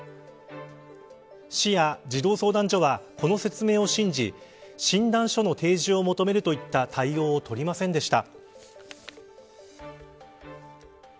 市や児童相談所はこの説明を信じ診断書の提示を求めるといった対応をとりませんでした。